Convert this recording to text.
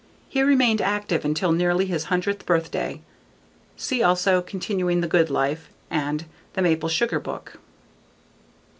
He remained active until nearly his hundredth birthday. See also: Continuing the Good Life and _The Maple Sugar Book.